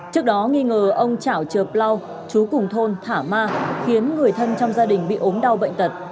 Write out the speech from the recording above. trước đó nghi ngờ ông chảo trợp lao chú cùng thôn thả ma khiến người thân trong gia đình bị ốm đau bệnh tật